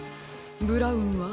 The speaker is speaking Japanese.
ブラウンは？